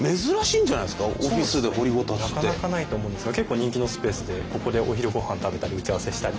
なかなかないと思うんですが結構人気のスペースでここでお昼御飯を食べたり打ち合わせしたり。